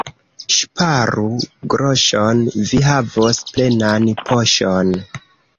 Ŝparu groŝon — vi havos plenan poŝon.